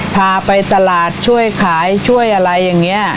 พาไปตลาดช่วยขายช่วยอะไรอย่างนี้